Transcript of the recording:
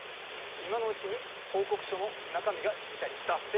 「今のうちに報告書の中身が知りたい」だって？